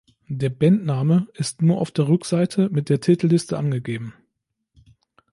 Der Bandname ist nur auf der Rückseite mit der Titelliste angegeben.